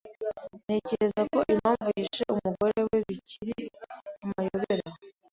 Ntekereza ko impamvu yishe umugore we bikiri amayobera.